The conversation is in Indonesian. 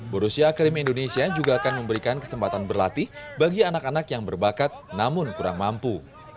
borussia akademi indonesia juga akan memberikan kesempatan berlatih bagi anak anak yang berbakat namun kurang mampu